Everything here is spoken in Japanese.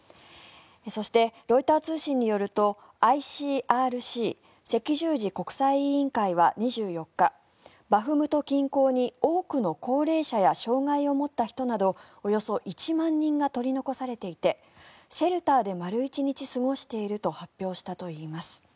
そして、ロイター通信によるとＩＣＲＣ・赤十字国際委員会は２４日、バフムト近郊に多くの高齢者や障害を持った人などおよそ１万人が取り残されていてシェルターで丸１日過ごしていると発表したといいます。